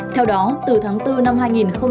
theo đó từ tháng bốn năm hai nghìn hai mươi